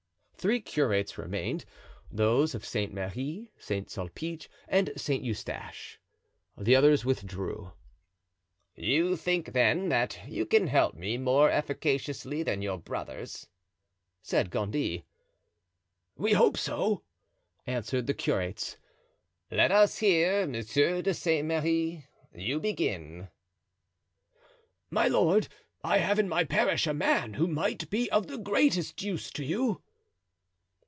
Three curates remained—those of St. Merri, St. Sulpice and St. Eustache. The others withdrew. "You think, then, that you can help me more efficaciously than your brothers?" said Gondy. "We hope so," answered the curates. "Let us hear. Monsieur de St. Merri, you begin." "My lord, I have in my parish a man who might be of the greatest use to you."